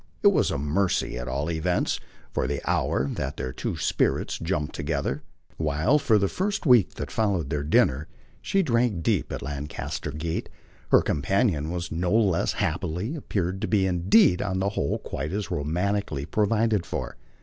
It was a mercy at all events, for the hour, that their two spirits jumped together. While, for this first week that followed their dinner, she drank deep at Lancaster Gate, her companion was no less happily, appeared to be indeed on the whole quite as romantically, provided for.